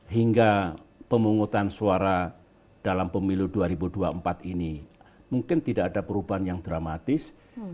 hingga pemungutan suara dalam pemilu dua ribu dua puluh empat ini mungkin tidak ada perubahan yang dramatis